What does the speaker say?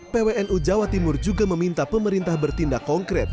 pwnu jawa timur juga meminta pemerintah bertindak konkret